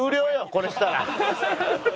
これしたら。